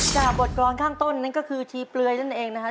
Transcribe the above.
จากบทกรรมข้างต้นนั่นก็คือชีเปลือยนั่นเองนะครับ